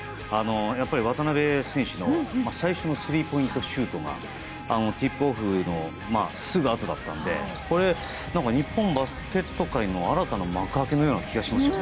やっぱり渡邊選手の最初のスリーポイントシュートがティップオフのすぐあとだったので日本バスケット界の新たな幕開けのような気がしましたね。